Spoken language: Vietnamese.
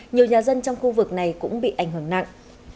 nhiều nhà dân trong khu vực này cũng bị ảnh hưởng nặng